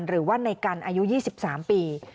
หรือว่าในกันอายุ๒๓ปี